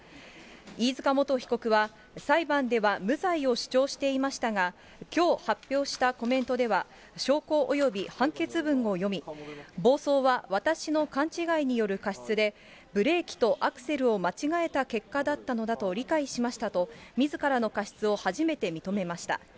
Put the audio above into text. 飯塚元被告は裁判では無罪を主張していましたが、きょう発表したコメントでは、証拠および判決文を読み、暴走は私の勘違いによる過失で、ブレーキとアクセルを間違えた結果だったのだと理解しましたと、みずからの過失を初めて認めました。